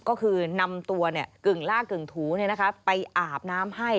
ก็คือนำตัวกึ่งล่ากึ่งถูไปอาบน้ำให้